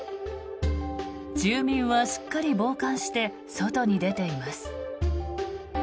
住民はしっかり防寒して外に出ています。